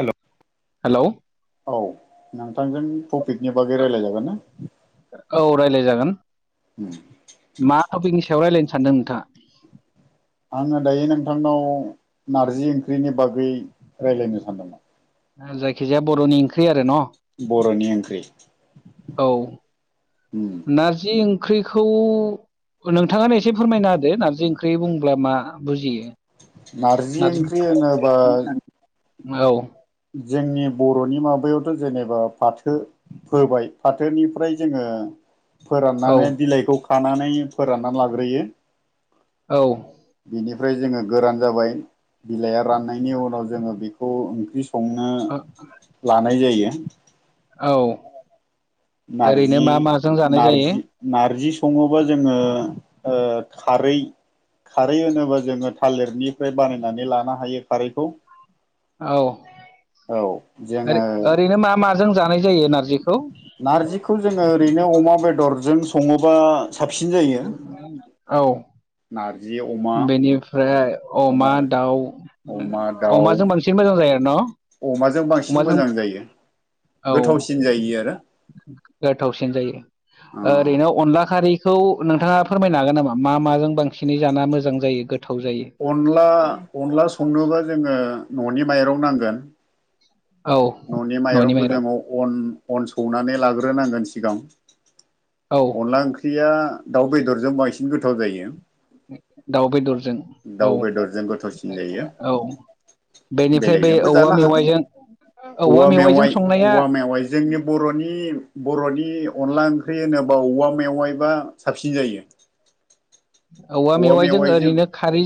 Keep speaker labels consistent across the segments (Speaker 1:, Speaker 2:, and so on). Speaker 1: Hello
Speaker 2: hello
Speaker 1: औ नां थांजों प्रफिटनि बागै रायलायजागोन ना
Speaker 2: औ रायलाय जागोन
Speaker 1: हो
Speaker 2: टपिकनि सायाव रायलायनो सानदों नोंथाङा
Speaker 1: आङो दायो नोंथांनाव नारजि ओंख्रिनि बागै रायलायनो सानदोंमोन
Speaker 2: जायखिजाया बर'नि ओंख्रि आरो न
Speaker 1: बर'नि ओंख्रि
Speaker 2: औ नारजि ओं ओंख्रिखौ नोंथाङानो एसे फोरमायना होदो नारजि ओंख्रि बुंब्ला मा बुजियो
Speaker 1: नारजि ओंख्रि होनोबा
Speaker 2: औ
Speaker 1: जोंनि बर'नि माबायावथ जेनेबा फाथो फोबाय फाथोनिफ्राय जोङो ओ
Speaker 2: औ
Speaker 1: फोराननानै बिलाइखौ खानानै फोरानना लाग्रोयो
Speaker 2: औ
Speaker 1: बेनिफ्राय जोङो गोरान जाबाय बिलाया राननायनि उनाव जोङो बेखौ ओंख्रि संनो लानाय जायो
Speaker 2: औ ओरैनो
Speaker 1: नारजि
Speaker 2: मा माजों जानाय जायो
Speaker 1: नारजि नारजि सङोबा जोङो ओ खारै खारै होनोबा जोङो थालिरनिफ्राय बानायनानै लानो हायो खारैखौ
Speaker 2: औ
Speaker 1: औ जोङो
Speaker 2: ओरै ओरैनो मा माजों जानाय जायो नारजिखौ
Speaker 1: नारजिखौ जोङो ओरैनो अमा बेदरजों सङोबा साबसिन जायो
Speaker 2: औ
Speaker 1: नारजि अमा
Speaker 2: बेनिफ्राय अमा दाउ
Speaker 1: अमा दाउ
Speaker 2: अमाजों बांसिन मोजां जायो आर
Speaker 1: अमाजों बांसिन मोजां जायो
Speaker 2: औ
Speaker 1: गोथावसिन जायो आरो
Speaker 2: गोथावसिन जायो ओरैनो अनला खा खारिखौ नोंथाङा फोरमायनो हागोन नामा मा माजों बांसिनै जाना मोजां जायो गोथ
Speaker 1: अनला अनला संनोबा जोङो ननि माइरं नांगोन।
Speaker 2: औ
Speaker 1: ननि माइरंखौ जोङो अन अन सौनानै लाग्रोनांगोन सिगां
Speaker 2: औ
Speaker 1: अनला ओंख्रिया दाउ बेदरजों बांसिन गोथाव जायो
Speaker 2: दाउ बेदरजों औ
Speaker 1: दाउ बेदरजों गोथावसिन जायो
Speaker 2: औ बेनिफ्राय बे
Speaker 1: बेलेगजोंबो
Speaker 2: औवा
Speaker 1: जानो हागोन
Speaker 2: मेवाइजों
Speaker 1: औवा
Speaker 2: मेवाइजों
Speaker 1: मेवाइ
Speaker 2: संनाया
Speaker 1: औवा मेवाइ जोंनि बरनि बरनि अनला ओंख्रि होनोबा औवा मेवायबा साबसिन जायो
Speaker 2: औवा मेवाइजों ओरैनो खारै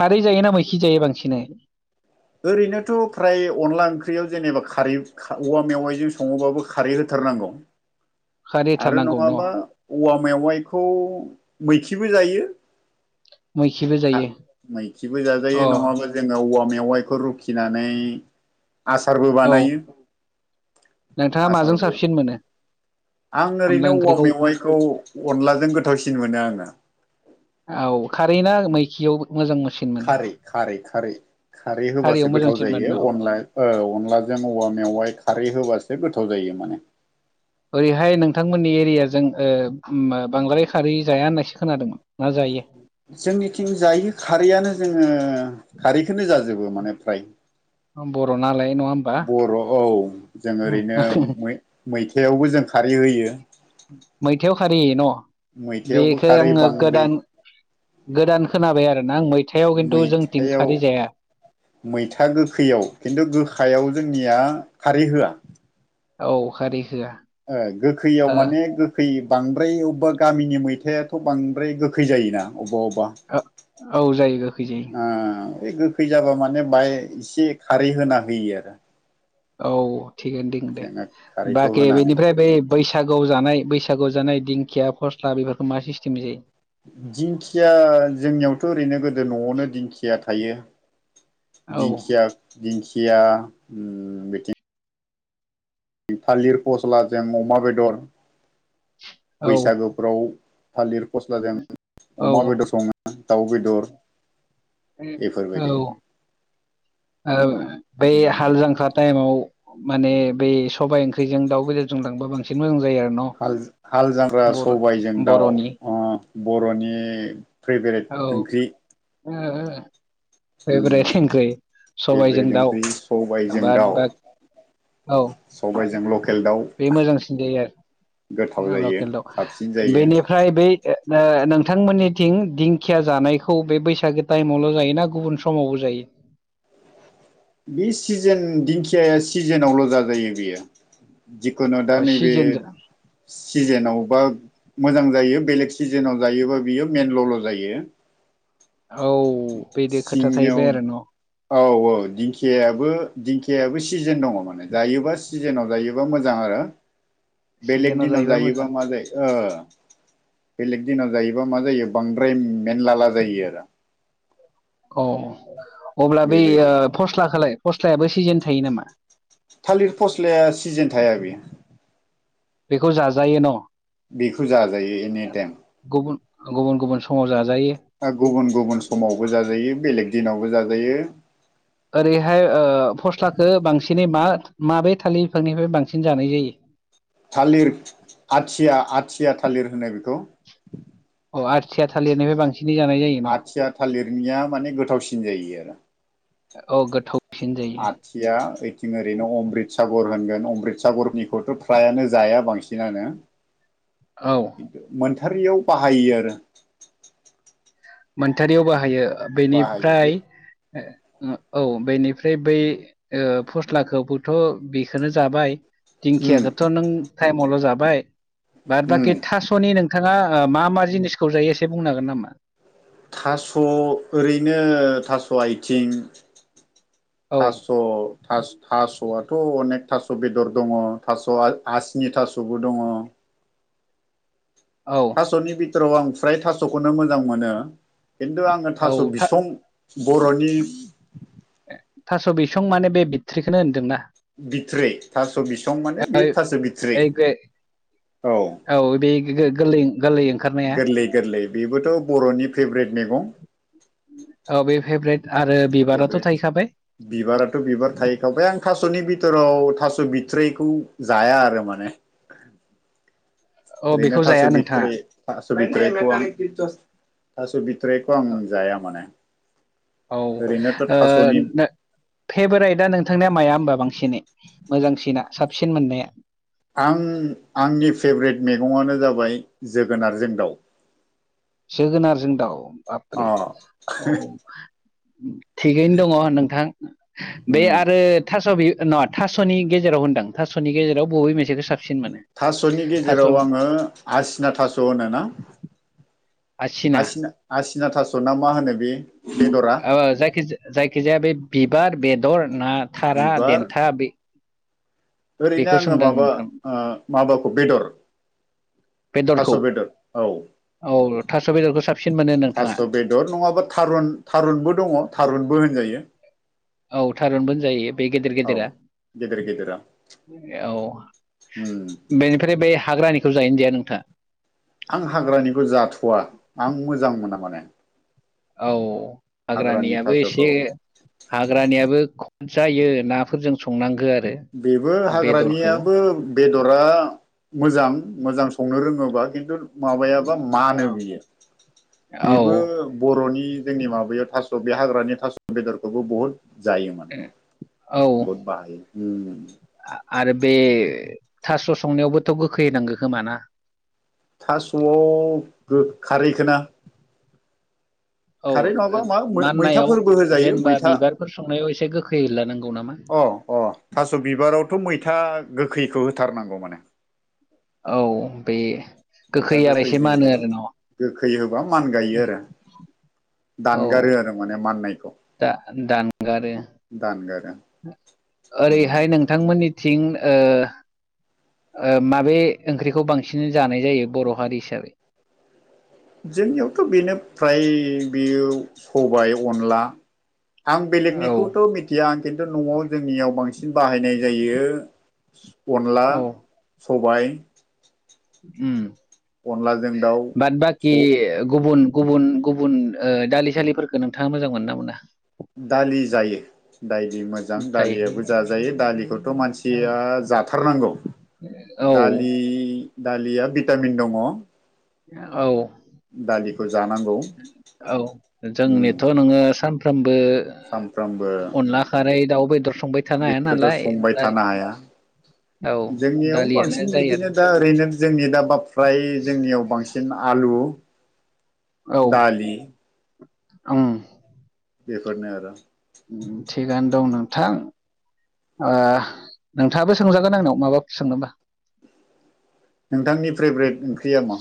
Speaker 2: खारै जायोना मैखि जायो बांसिनै
Speaker 1: ओरैनोथ फ्राय अनला ओंख्रियाव जेनेबा खारै औवा मेवाइजों सङोबाबो खारै होथार होथारनांगौ
Speaker 2: खारै
Speaker 1: आरो
Speaker 2: होथारनांगौ न'
Speaker 1: नङाबा औवा मेवाइखौ मैखिबो जायो
Speaker 2: मैखिबो जायो
Speaker 1: मैखिबो
Speaker 2: अ
Speaker 1: जाजायो नङाबा जोङो औवा मेवाइ बे रुखिनानै आसारबो
Speaker 2: औ
Speaker 1: बानायो
Speaker 2: नोंथाङा माजों
Speaker 1: आसारबो
Speaker 2: साबसिन मोनो
Speaker 1: आं
Speaker 2: अनला
Speaker 1: ओरैनो औवा
Speaker 2: ओंख्रिखौ
Speaker 1: मेवाइखौ अनलाजों गोथावसिन मोनो आङो
Speaker 2: औ खारै ना मैखियाव मोजां मोनो
Speaker 1: खारै खारै खारै खारै
Speaker 2: खारैयाव
Speaker 1: होबासो गोथाव
Speaker 2: मोजांसिन मोनो
Speaker 1: जायो
Speaker 2: न'
Speaker 1: अनला ओ अनलाजों औवा मेवाइ खारै होबासो गोथाव जायो माने
Speaker 2: ओरैहाय नोंथांमोननि एरियाजों ओ बांद्राय खारै जाया होननायसो खोनादोंमोन ना जायो
Speaker 1: जोंनिथिं जायो खारैआनो जोङो खारै बेखौनो जाजोबो माने फ्राय
Speaker 2: बर' नालाय नङा होमबा
Speaker 1: बर औ जों ओरैनो मैथायावबो जों खारै होयो
Speaker 2: मैथायाव होयो न
Speaker 1: मैथायावबो
Speaker 2: बेखौ
Speaker 1: खारै
Speaker 2: आङो
Speaker 1: बांद्राय
Speaker 2: गोदान गोदान खोनाबाय आरो
Speaker 1: मैथायाव मैथा गोखैयाव खिन्थु गोखायाव जोंनिया खारै होआ
Speaker 2: औ खारै होआ
Speaker 1: ओ गोखैयाव
Speaker 2: ओ
Speaker 1: माने गोखै बांद्राय अबेबा गामिनि मैथायाथ बांद्राय गोखै जायोना अ
Speaker 2: औ जायो गोखै जायो
Speaker 1: आ बे गोखै जाबा माने बाह एसे खारै होना होयो आरो
Speaker 2: औ थिगनो दं दे
Speaker 1: जोङो खारैखौ
Speaker 2: बाखि
Speaker 1: होनानै
Speaker 2: बेनिफ्राय बै बैसागु जानाय बैसागु जानाय दिंखिया फस्ला बेफोरखौ मा सिस्टेम जायो
Speaker 1: दिंखिया जोंनियावथ ओरैनो गोदो नआवनो दिंखिया थायो
Speaker 2: औ
Speaker 1: दिंखिया दिंखिया उम बिथिं थालिर फस्लाजों अमा बेदर
Speaker 2: औ
Speaker 1: बैसागोफ्राव थालिर फस्लाजों
Speaker 2: औ
Speaker 1: अमा बेदर सङो दाउ बेदर बेफोरबायदि
Speaker 2: औ बे
Speaker 1: उम
Speaker 2: हाल जांख्रा टाइमाव माने बै सबाइ ओंख्रिजों दाउ बेदरजों लांबा बांसिन मोजां जायो आरो न'
Speaker 1: हाल जांख्रा
Speaker 2: बर
Speaker 1: सबायजों दाउ
Speaker 2: बर'नि
Speaker 1: उ बरनि फेभरेट ओंख्रि
Speaker 2: ओ ओ
Speaker 1: उम
Speaker 2: फेब्रेट ओंख्रि सबायजों
Speaker 1: फेभरेट
Speaker 2: दाउ
Speaker 1: ओंख्रि सबायजों
Speaker 2: बाद
Speaker 1: दाउ
Speaker 2: बा औ
Speaker 1: सबायजों लकेल दाउ
Speaker 2: बे मोजांसिन जायो
Speaker 1: गोथाव
Speaker 2: आरो
Speaker 1: जायो
Speaker 2: लकेल
Speaker 1: साबसिन
Speaker 2: दाव
Speaker 1: जायो
Speaker 2: बेनिफ्राय बै नोंथांमोननिथिं दिंखिया जानायखौ बे बैसागो टाइमावल जायोना गुबुन समावबो जायो
Speaker 1: बे सिजोन दिंखियााया सिजोनावल जाजायो बेयो जिखुनु दा नैबे
Speaker 2: सिजेन
Speaker 1: सिजेनाव बा मोजां जायो बेलेग सिजोनाव जायोबा बियो मेनल'ल' जायो
Speaker 2: औ बिदि खोथा
Speaker 1: सिनिङाव
Speaker 2: थाहैबाय आरो न'
Speaker 1: औ औ दिंखियाबो दिं खियाबो सिजोन दङ जायोबा सिजोनाव जायोबा मोजां आरो। बेलेग
Speaker 2: सिजेनाव
Speaker 1: दिनाव जायोबा
Speaker 2: मोजां
Speaker 1: मा जायो ओ बेलेग दिनाव जायोबा मा जायो बांद्राय मेनलाला जायो आरो।
Speaker 2: औ। अब्ला बै ओ
Speaker 1: बेबायदि
Speaker 2: फस्लाखौलाय फस्लायाबो सिजोन थायो नामा?
Speaker 1: थालिर फस्लाया सिजोन थाया बेयो।
Speaker 2: बेखौ जाजायो न'?
Speaker 1: बेखौ जाजायो एनिटाइम
Speaker 2: गुबुन गुबुन गुबुन समाव जा
Speaker 1: गुबुन गुबुन समावबो जाजायो बेलेग दिनावबो जाजायो।
Speaker 2: ओरैहाय ओ‌ फस्लाखौ बांसिनै मा माबे थालिर बिफांनिफ्राय बांसिन जानाय जायो?
Speaker 1: थालिर आथिया आथिया थालिर होनो बेखौ।
Speaker 2: औ आथिया थालिरनिफ्राय बांसिन
Speaker 1: आथिया थालिरनिया माने गोथावसिन जायो आरो।
Speaker 2: औ गोथौव
Speaker 1: आथिया ओइथिं ओरैनो अमरित सागर होनगोन। अमरितसागरनिखौथ' फ्रायानो जाया बांसिनानो।
Speaker 2: औ
Speaker 1: मोन थारियाव बाहायो आरो।
Speaker 2: मोनथारियाव बाहायो ओ
Speaker 1: बाहायो
Speaker 2: बेनिफ्राय
Speaker 1: बे
Speaker 2: ओ औ बेनिफ्राय बै ओ फस्लाखौबोथ' बेखौनो जाबाय।
Speaker 1: उम
Speaker 2: दिंखियाखौथ' नों टाइमावल' जाबाय बाद बाखि
Speaker 1: उम
Speaker 2: थास'नि नों नोंथाङा ओ मा मा जिनिसखौ जायो एसे बुंनो हागोन नामा?
Speaker 1: थास' ओरैनो थास' आयथिं
Speaker 2: औ
Speaker 1: थास' थास थास'आथ' अनेक थास' बेदर दङ थास'आ आसिनि थास'बो दङ
Speaker 2: औ
Speaker 1: थास'नि बिथोराव आं फ्राय थास'खौनो मोजां मोनो खिन्थु आङो
Speaker 2: औ
Speaker 1: थास' बिसं बर'नि
Speaker 2: थास' बिसं माने बे बिथरायखौनो होनदोंना?
Speaker 1: बिथराय थास' बिसं माने बि थास' बिथराय।
Speaker 2: ओइ बे औ बे गिदिर गोरलै गोरलै ओंखारनाया
Speaker 1: गोरलै गोरलै बेबोथ' बर'नि भेब्रेट मैगं।
Speaker 2: औ बे भेबरेट आरो बिबाराथ'
Speaker 1: भेब्रेट
Speaker 2: थाहैखाबाय
Speaker 1: बिबाराथ' बिबार थायै खाबाय आं थास'नि बिथोराव थास' बिथराइखौ जाया आरो माने
Speaker 2: औ
Speaker 1: ओरैनो
Speaker 2: बेखौ
Speaker 1: थास'
Speaker 2: जाया नोंथाङा
Speaker 1: बिथ'रि थास' बिथ'रिखौ आं ओंख्रिखौ आं जाया माने
Speaker 2: औ ओ‌
Speaker 1: ओरैनोथ' थास'नि
Speaker 2: भेब्रेटइटआ नोंथांनिया माया होमबा? बांसिनै मोजांसिना साबसिन मोननाया
Speaker 1: आं आंनि फेभरेट मैगंआनो जाबाय जोगोनारजों दाउ।
Speaker 2: जोगोनार जों दाउ
Speaker 1: अ
Speaker 2: बाबरे औ। थिगैनो दङ नोंथां बे
Speaker 1: उम
Speaker 2: आरो थास' बि नङा थास'नि गेजेराव होनदों थास'नि गेजेराव बबे मोनेसेखौ साब
Speaker 1: थास'नि गेजेराव आङो आसिना थास' होनोना आसिना आसिना थास' ना मा होनो बे बेदरा?
Speaker 2: ओ जायखि जायखिजाया बे बिबार बेदर ना थारा
Speaker 1: बिबार
Speaker 2: देन्था।
Speaker 1: ओरैनो
Speaker 2: बेखौ
Speaker 1: आङो
Speaker 2: सोंदां
Speaker 1: माबा
Speaker 2: नोंथां
Speaker 1: ओ माबाखौ बेदर थास'
Speaker 2: बेदरखौ
Speaker 1: बेदर औ।
Speaker 2: औ थास' बेदरखौ साबसिन मोनो नोंथाङा
Speaker 1: थास' बेदर नङाबा थारुन थारुनबो दङ थारुनबो होनजायो।
Speaker 2: औ थारुनबो जायो बे गेदेर
Speaker 1: औ
Speaker 2: गेदेरा।
Speaker 1: गेदेर गेदेरा
Speaker 2: औ
Speaker 1: उम
Speaker 2: बेनिफ्राय बे हाग्रानिखौ जायोना जाया नोंथाङा
Speaker 1: आं हाग्रानिखौ जाथ'वा आं मोजां मोना माने।
Speaker 2: औ
Speaker 1: हाग्रानि
Speaker 2: हाग्रानियाबो एसे
Speaker 1: थास'खौ
Speaker 2: हाग्रानियाबो जायो नाफोरजों संनांगोन।
Speaker 1: बेबो हाग्रानियाबो बेदरा मोजां। मोजां संनो रोङोबा खिन्थु माबायाबा मानो
Speaker 2: औ
Speaker 1: बियो
Speaker 2: औ
Speaker 1: बेबो बर'नि जोंनि माबायाव थास' बे हाग्रानि थास' बेदरखौबो बुहुत जायो माने
Speaker 2: औ
Speaker 1: बहुद बाहायो। उम
Speaker 2: आरो बे थास' संनायावबोथ' गोखै होनांगौ खोमाना।
Speaker 1: थास'आव गो खारहैखोना।
Speaker 2: औ माननायाव
Speaker 1: मैथाफोरबो होजायो
Speaker 2: जेनेबा
Speaker 1: मैथा
Speaker 2: बिबारफोर संनायाव एसे गोखैला
Speaker 1: अ अ थास' बिबारावथ' मैथा गोखैखौ होथारनांगौ माने
Speaker 2: औ बे
Speaker 1: मैथा
Speaker 2: आरो
Speaker 1: गोखै
Speaker 2: एसे मानो
Speaker 1: होयोबा
Speaker 2: आरो न'
Speaker 1: गोखै होबा मान गायो आरो दानगारो आरो माने माननायखौ
Speaker 2: दा-दानगारो
Speaker 1: दानगारो उम
Speaker 2: ओरैहाय नोंथांमोननि थिं ओ ओ माबे ओंख्रिखौ बांसिन जानाय जायो? बर' हारि हिसाबै।
Speaker 1: जोंनियावथ' बेनो फ्राय बेयो सबाय अनला आं
Speaker 2: औ
Speaker 1: बेलेगनिखौथ' मिथिया आं खिन्थु न'आव जोंनियाव बांसिन बाहायनाय जायो। अनला,
Speaker 2: औ
Speaker 1: सबाय
Speaker 2: उम
Speaker 1: अनलाजों
Speaker 2: बाद बाखि
Speaker 1: दाउ
Speaker 2: गुबुन गुबुन गुबुन दालिसालिफोरखौ नोंथाङा मोजां मोनो ना मोना?
Speaker 1: दालि जायो। दायलि मोजां दालियाबो जाजायो दालिखौथ'
Speaker 2: जायो
Speaker 1: मानसिया जाथारनांगौ।
Speaker 2: औ
Speaker 1: दालि दालिया भिटामिन दङ।
Speaker 2: औ
Speaker 1: दालिखौ जानांगौ
Speaker 2: औ
Speaker 1: उम
Speaker 2: जोंनिथ' नोङो सान बो
Speaker 1: सानफ्रामबो
Speaker 2: अला खारै दाउ बेदर संबाय थानो हाया
Speaker 1: बेखौथ'
Speaker 2: नालाय
Speaker 1: संबाय
Speaker 2: दालि
Speaker 1: थानो हाया?
Speaker 2: औ
Speaker 1: जोंनियाव
Speaker 2: दालियानो
Speaker 1: बांसिन
Speaker 2: जायो आरो
Speaker 1: बिदिनो दा ओरैनो जोंनि दा बा फ्राय जोंनियाव बांसिन आलु
Speaker 2: औ
Speaker 1: दालि,
Speaker 2: ओं
Speaker 1: बेफोरनो आरो
Speaker 2: थां ओ नोंथाङाबो सोंजागोन आंनाव माबा सोङनोबा
Speaker 1: नोंथांनि फ्रेभरेट ओंख्रिया मा?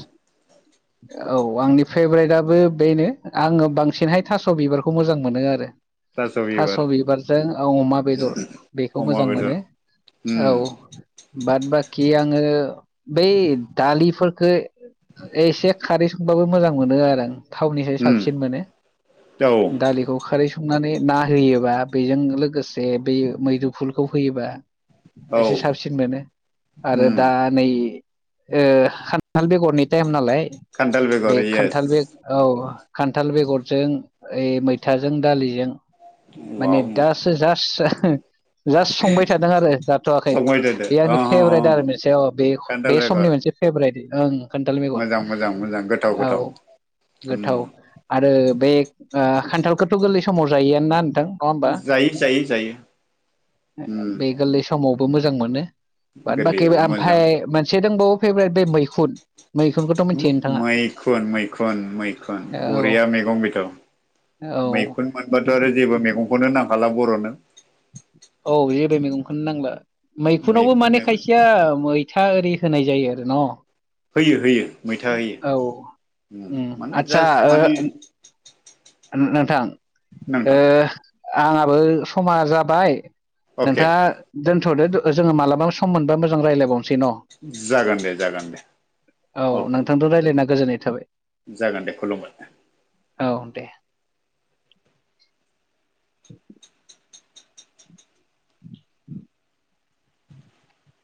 Speaker 2: औ आंनि फेभरेटआबो बेनो आङो बांसिनहाय थास' बिबारखौ मोजां मोनो आरो थास' बिबारजों अमा बेदर बेखौ
Speaker 1: अमा
Speaker 2: मोजां
Speaker 1: बेदर
Speaker 2: मोनो। औ
Speaker 1: उम
Speaker 2: बाद बा कि आङो बै दालिफोरखो एसे खारै संबाबो मोजां मोनो आरो आं थावनिफ्राय
Speaker 1: उम
Speaker 2: साबसिन मोनो
Speaker 1: औ
Speaker 2: दालिखौ खारै स संनानै ना होयोबा बेजों लोगोसे बे मैद्रुफुलखौ होयोबा
Speaker 1: औ
Speaker 2: एसे साब
Speaker 1: उम
Speaker 2: ओ खान्थाल बेगरनि टाइम नालाय
Speaker 1: खान्थाल
Speaker 2: बे
Speaker 1: बेगर येस
Speaker 2: खान्थाल बेग औ खान्थाल बेगर जों ओइ मैथाजों दालिजों माने
Speaker 1: वाव
Speaker 2: दासो जास ओ जास्ट संबाय थादों आरो जाथ'वाखै
Speaker 1: संबाय थादो
Speaker 2: बे
Speaker 1: अ
Speaker 2: आंनि
Speaker 1: ह
Speaker 2: फेभरेट आरो मोनसे अ बे
Speaker 1: खान्थाल
Speaker 2: बे समनि
Speaker 1: बेगर
Speaker 2: मोनसे फेब्रेट खान्थाल
Speaker 1: मोजां मोजां मोजां गोथाव
Speaker 2: बेगर औ
Speaker 1: गोथाव उम
Speaker 2: गोथाव आरो बे ओ खान्थालखौथ' गोरलै समाव जायोआनोना नोंथां नङा होमबा
Speaker 1: जायो जायो जायो उम
Speaker 2: बे गोरलै समाव खौ मोजां मोनो बाद बाखि
Speaker 1: गोरलैयाव मोजां
Speaker 2: ओमफ्राय मोनसे दंबावो फेभरेट बे मैखुन मैखुनखौथ' मिथियो नोंथाङा
Speaker 1: मै-मैखुन मैखुन मैखुन
Speaker 2: औ
Speaker 1: बरिया मैगं बिथ'
Speaker 2: औ
Speaker 1: मैखुन मोनबाथ' आरो जेबो मैगंखौनो नांखाला बर'नो।
Speaker 2: औ जेबो मैगंखौनो नांला मैखुनावबो माने
Speaker 1: मैखुनजोंनो
Speaker 2: खायसेया मैथा ओरै होनाय जायो आरो न'?
Speaker 1: होयो होयो मैथा होयो
Speaker 2: उम
Speaker 1: माने
Speaker 2: आदसा
Speaker 1: जास्ट माने
Speaker 2: ओ नोंथां ओ
Speaker 1: नोंथां
Speaker 2: आंहाबो समा जाबाय।
Speaker 1: अके
Speaker 2: नोंथाङा दोनथ'दो दो जोङो मालाबा सम मोनबा मोजां रायलायबावनो सै न'
Speaker 1: जागोन दे जागोन दे
Speaker 2: औ
Speaker 1: अके
Speaker 2: नोंथांदो रायलायना गोजोननाय थाबाय।
Speaker 1: जागोन दे खुलुमबाय
Speaker 2: औ दे।